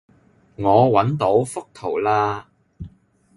我搵到幅圖喇